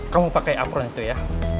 kamu pakai apron itu ya